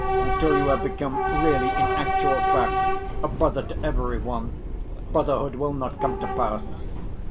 Until you have become really, in actual fact, a brother to every one, brotherhood will not come to pass.